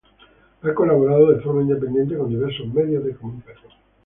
Ha colaborado de forma independiente con diversos medios de comunicación.